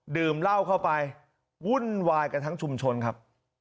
ดื่มเหล้าเข้าไปวุ่นวายกันทั้งชุมชนครับ